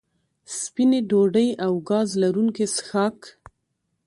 سپینې ډوډۍ او ګاز لرونکي څښاک